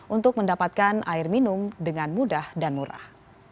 untuk mendapatkan air minum dengan mudah dan murah